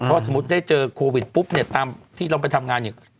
เพราะสมมุติได้เจอโควิดปุ๊บเนี่ยตามที่เราไปทำงานเนี่ย